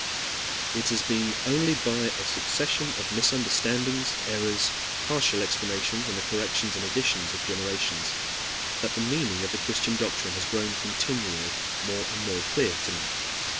It has been only by a succession of misunderstandings, errors, partial explanations, and the corrections and additions of generations that the meaning of the Christian doctrine has grown continually more and more clear to men.